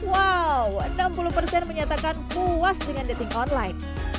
wow enam puluh persen menyatakan puas dengan dating online